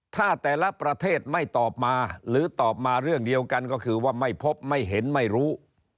ถ้าแต่ละประเทศไม่ตอบมาหรือตอบมาเรื่องเดียวกันก็คือว่าไม่พบไม่เห็นไม่รู้